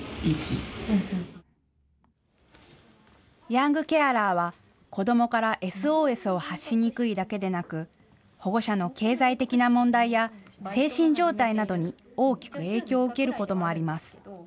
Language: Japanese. ヤングケアラーは、子どもからＳＯＳを発しにくいだけでなく、保護者の経済的な問題や、精神状態などに大きく影響を受けることもあります。